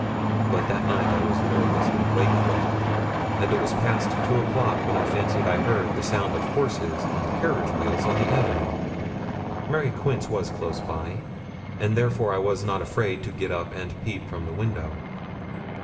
But that night I was nervous and wakeful, and it was past two o'clock when I fancied I heard the sound of horses and carriage wheels on the avenue. Mary Quince was close by, and therefore I was not afraid to get up and peep from the window.